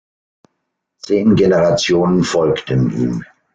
Zehn Generationen folgten ihm.